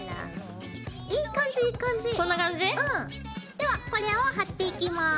ではこれを貼っていきます。